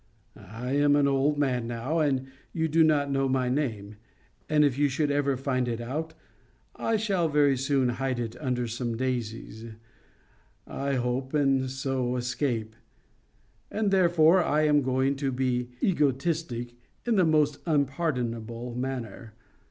I am an old man now, and you do not know my name; and if you should ever find it out, I shall very soon hide it under some daisies, I hope, and so escape; and therefore, I am going to be egotistic in the most unpardonable manner.